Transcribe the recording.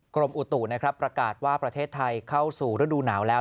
กรมอุตุนะครับประกาศว่าประเทศไทยเข้าสู่ฤดูหนาวแล้ว